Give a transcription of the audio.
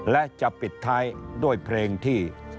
และจะปิดท้ายด้วยเพลงที่